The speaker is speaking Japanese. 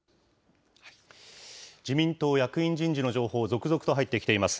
自民党役員人事の情報、続々と入ってきています。